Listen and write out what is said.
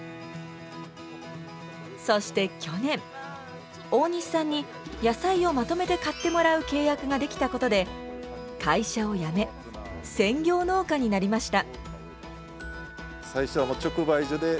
そして去年大西さんに野菜をまとめて買ってもらう契約ができたことで会社を辞め専業農家になりました。